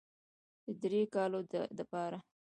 د دريو کالو دپاره